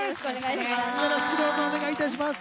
よろしくお願いします。